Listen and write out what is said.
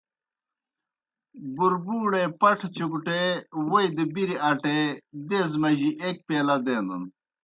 بُربُوڑے پٹھہ چُکٹے، ووئی دہ بِریْ اٹے دیزے مجی ایْک پیلہ دینَن۔